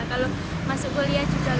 kalau masuk kuliah juga